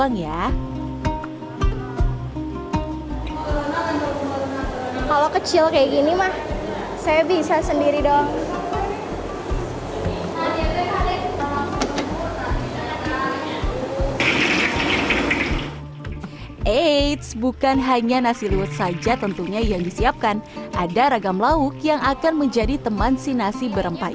nah untuk perhitungan gizi alhamdulillah kita ada dokter gizi juga